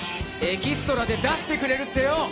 エキストラで出してくれるってよ！